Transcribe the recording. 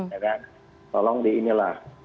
ya kan tolong di inilah